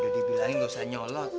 udah dibilangin nggak usah nyolot